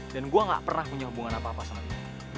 dan gue gak pernah punya hubungan apa apa sama dia